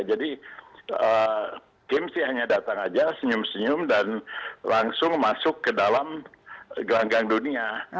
jadi kim sih hanya datang saja senyum senyum dan langsung masuk ke dalam gelanggang dunia